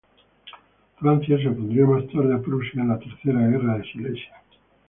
Francia se opondría más tarde a Prusia en la Tercera Guerra de Silesia.